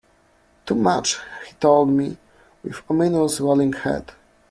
Too much, he told me, with ominous rolling head.